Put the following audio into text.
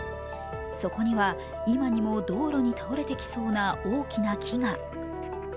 そこには、今にも道路に倒れてきそうな大きな木が。